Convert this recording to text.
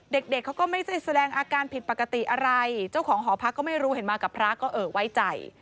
เด็กเด็กเขาก็ไม่ได้แสดงอาการผิดปกติอะไรเจ้าของหอพักก็ไม่รู้เห็นมากับพระก็เออไว้ใจ